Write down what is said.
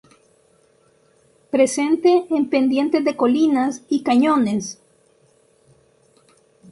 Presente en pendientes de colinas y cañones.